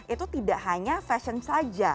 itu tidak hanya fashion saja